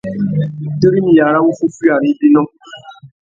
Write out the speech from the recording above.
Wutirimiya râ wuffúffüiya râ ibinô.